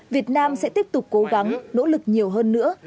việt nam sẽ tiếp tục cố gắng nỗ lực nhiều hơn nữa